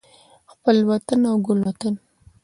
خپل وطن او ګل وطن